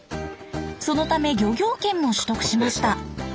そのため漁業権も取得しました。